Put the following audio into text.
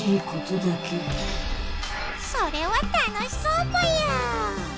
それは楽しそうぽよ！